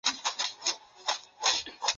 第二次世界大战中服役于英属印度陆军。